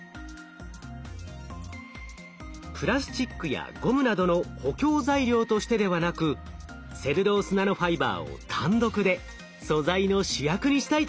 プラスチックやゴムなどの補強材料としてではなくセルロースナノファイバーを単独で素材の主役にしたいと考えました。